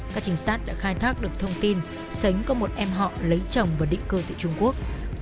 các trinh sát đã khai thác được thông tin sánh có một em họ lấy chồng và định cư tại trung quốc